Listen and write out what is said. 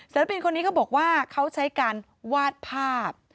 ปีนคนนี้เขาบอกว่าเขาใช้การวาดภาพ